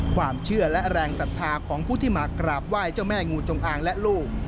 ความเชื่อและแรงศรัทธาของผู้ที่มากราบไหว้เจ้าแม่งูจงอางและลูก